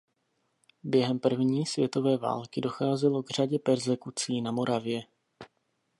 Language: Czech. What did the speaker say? Během první světové války docházelo k řadě perzekucí na Moravě.